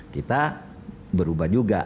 kita berubah juga